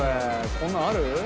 こんなのある？